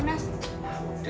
kenapa di sini ayo mundur